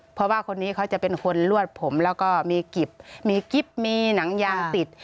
เพราะว่าคนนี้เขาจะเป็นคนลวดผมแล้วก็มีกิ๊บมีกิ๊บมีหนังยางติด